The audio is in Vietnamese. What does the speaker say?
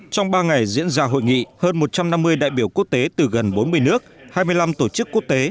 trong ba ngày diễn ra hội nghị hơn một trăm năm mươi đại biểu quốc tế từ gần bốn mươi nước hai mươi năm tổ chức quốc tế